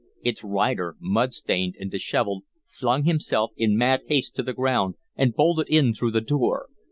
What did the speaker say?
Its rider, mud stained and dishevelled, flung himself in mad haste to the ground and bolted in through the door.